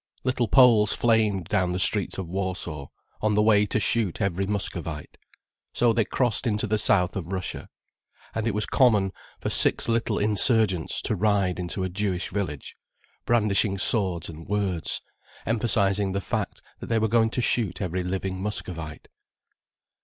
Little Poles flamed down the streets of Warsaw, on the way to shoot every Muscovite. So they crossed into the south of Russia, and it was common for six little insurgents to ride into a Jewish village, brandishing swords and words, emphasizing the fact that they were going to shoot every living Muscovite.